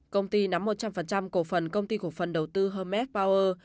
công ty nắm một trăm linh cổ phần công ty của phần đầu tư hermes power